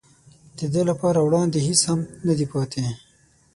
د ده لپاره وړاندې هېڅ هم نه دي پاتې.